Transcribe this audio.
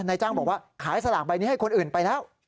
นายจ้างบอกว่าขายสลากใบนี้ให้คนอื่นไปแล้ว